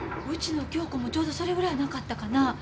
うちの恭子もちょうどそれぐらいやなかったかな。